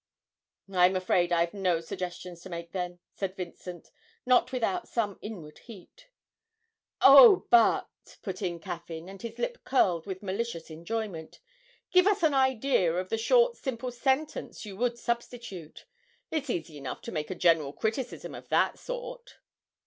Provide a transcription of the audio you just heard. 'I'm afraid I've no suggestions to make, then,' said Vincent, not without some inward heat. 'Oh, but,' put in Caffyn, and his lip curled with malicious enjoyment, 'give us an idea of the short simple sentence you would substitute it's easy enough to make a general criticism of that sort.'